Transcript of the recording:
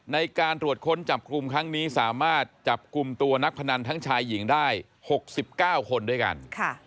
ในการตรวจค้นจับกลุ่มครั้งนี้สามารถจับกลุ่มตัวนักพนันทั้งชายหญิงได้๖๙คนด้วยกัน